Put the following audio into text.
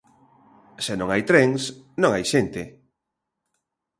Se non hai trens, non hai xente.